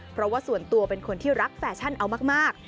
เพราะว่าส่วนตัวเป็นคนที่รักแฟชั่นเอามาก